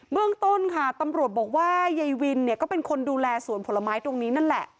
เรื่องต้นค่ะตำรวจบอกว่ายายวินเนี่ยก็เป็นคนดูแลสวนผลไม้ตรงนี้นั่นแหละ